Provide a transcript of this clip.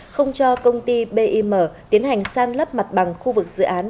không cho công ty bim tiến hành sang lấp mặt bằng khu vực dự án